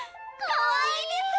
かわいいです！